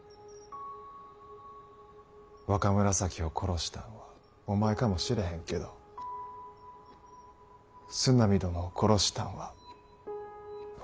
若紫を殺したんはお前かもしれへんけど角南殿を殺したんは私や。